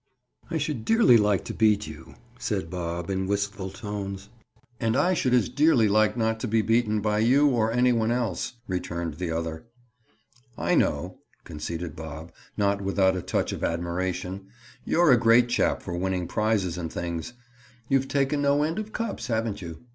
"I should dearly like to beat you," said Bob in wistful tones. "And I should as dearly like not to be beaten by you, or any one else," returned the other. "I know," conceded Bob, not without a touch of admiration, "you're a great chap for winning prizes and things. You've taken no end of cups, haven't you?